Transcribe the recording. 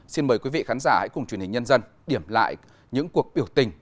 xin mời quý vị khán giả hãy cùng truyền hình nhân dân điểm lại những cuộc biểu tình